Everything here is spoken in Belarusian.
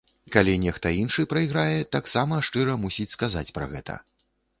Калі нехта іншы прайграе, таксама шчыра мусіць сказаць пра гэта.